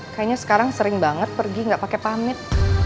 kayaknya sekarang sering banget pergi gak pakai pamit